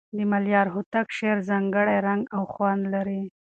د ملکیار هوتک شعر ځانګړی رنګ او خوند لري.